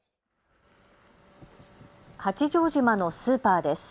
八丈島のスーパーです。